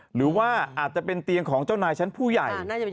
หรือว่าอาจจะเป็นเตียงของเจ้านายชั้นผู้ใหญ่